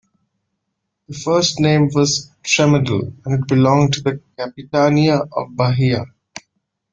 The first name was Tremedal and it belonged to the capitania of Bahia.